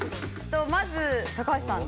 まず高橋さんの絵。